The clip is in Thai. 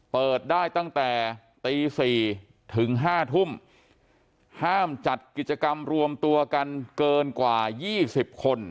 เปิดได้ตั้งแต่ตี๔ถึง๕ทุ่มห้ามจัดกิจกรรมรวมตัวกันเกินกว่า๒๐คน